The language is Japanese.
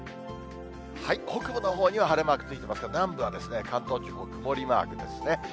北部のほうには晴れマークついてますが、南部は関東地方、曇りマークですね。